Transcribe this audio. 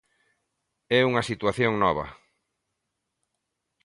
É unha situación nova.